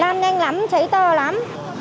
lan nhanh lắm cháy to lắm